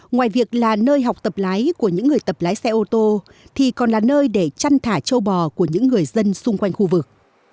ngoài việc là nơi học tập lái của những người tập lái xe ô tô thì còn là nơi để chăn thả châu bò của những người dân xung quanh khu vực